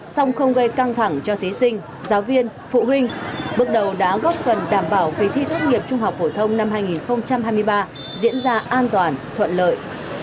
song không gây căng thẳng cho thí sinh giáo viên phụ huynh bước đầu đã góp phần đảm bảo kỳ thi tốt nghiệp trung học phổ thông năm hai nghìn hai mươi ba diễn ra an toàn thuận lợi